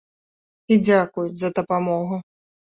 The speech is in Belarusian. І дзякуюць за дапамогу.